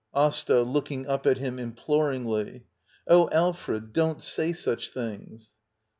Asta. [Looking up at him imploringly.] Oh, Alfred, don't say such things!